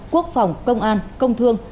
quốc phòng công an công thương